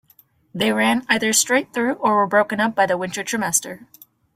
They ran either straight through or were broken up by the winter trimester.